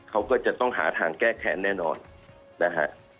เขาก็จะต้องหาทางแก้แค้นแน่นอนนะฮะ